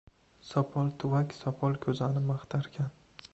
• Sopol tuvak sopol ko‘zani maqtarkan.